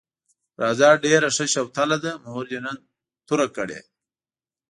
راځه ډېره ښه شوتله ده، مور دې نن توره کړې.